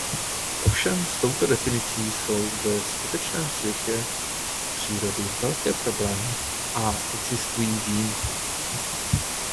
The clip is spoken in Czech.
Ovšem s touto definicí jsou ve skutečném světě přírody velké problémy a existují výjimky.